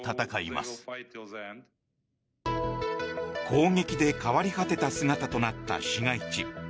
攻撃で変わり果てた姿となった市街地。